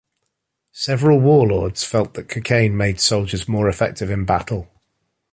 Several warlords felt that cocaine made soldiers more effective in battle.